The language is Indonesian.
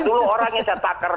dulu orangnya saya takar